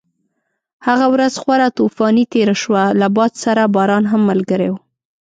هغه ورځ خورا طوفاني تېره شوه، له باد سره باران هم ملګری و.